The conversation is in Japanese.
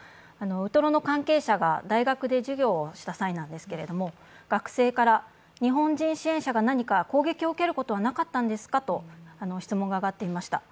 ウトロの関係者が大学で授業をした際なんですけれども、学生から、日本人支援者が何か攻撃を受けることはなかったんですか？と質問が上がっていました。